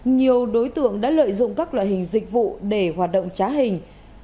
nhiều đối tượng đã lợi dụng các loại hình dịch vụ để hoạt động trá hình